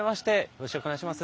よろしくお願いします。